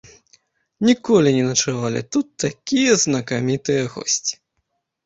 Ніколі не начавалі тут такія знакамітыя госці.